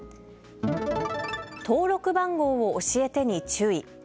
登録番号を教えてに注意。